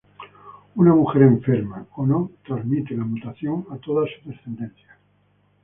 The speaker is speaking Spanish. Una mujer enferma o no, transmite la mutación a toda su descendencia.